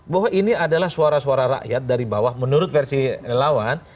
bahwa ini adalah suara suara rakyat dari bawah menurut versi lawan